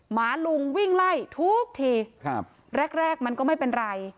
หมาลุงวิ่งไล่ทุกทีครับแรกแรกมันก็ไม่เป็นไร